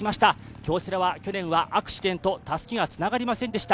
京セラは去年アクシデント、たすきがつながりませんでした。